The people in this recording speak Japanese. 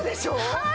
はい！